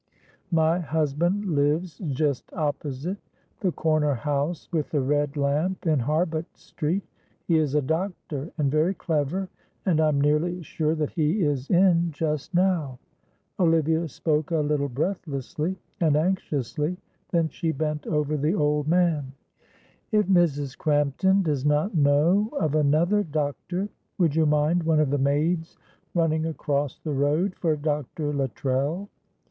"My husband lives just opposite the corner house with the red lamp in Harbut Street. He is a doctor and very clever, and I am nearly sure that he is in just now." Olivia spoke a little breathlessly and anxiously; then she bent over the old man. "If Mrs. Crampton does not know of another doctor would you mind one of the maids running across the road for Dr. Luttrell?